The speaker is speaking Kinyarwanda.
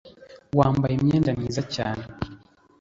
wambaye imyenda myiza cyane